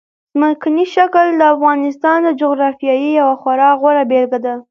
ځمکنی شکل د افغانستان د جغرافیې یوه خورا غوره بېلګه ده.